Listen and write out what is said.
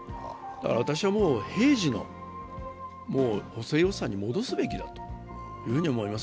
わたしは平時の補正予算に戻すべきだというふうに思います。